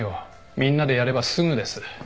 みんなでやればすぐです。